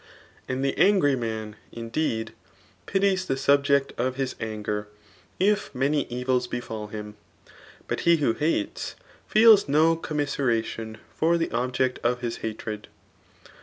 And the angry man, indeed, pities the subject of his anger, if many evils befal him ; but he who hates, ieels no commiseration for the object of his hatred.